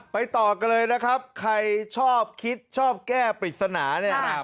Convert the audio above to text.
ต่อกันเลยนะครับใครชอบคิดชอบแก้ปริศนาเนี่ย